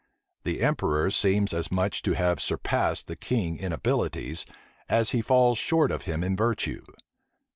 The emperor seems as much to have surpassed the king in abilities, as he falls short of him in virtue.